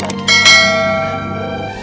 pak pak permisi